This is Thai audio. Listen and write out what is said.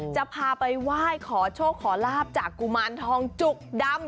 จะพาไปไหว้ขอโชคขอลาบจากกุมารทองจุกดำ